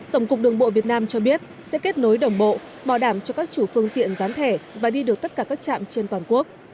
tổng cục đường bộ việt nam cho biết sẽ kết nối đồng bộ bảo đảm cho các chủ phương tiện dán thẻ và đi được tất cả các trạm trên toàn quốc